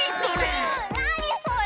なにそれ？